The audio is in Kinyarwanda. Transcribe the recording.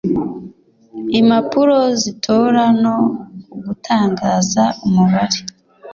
impapuro z itora no gutangaza umubare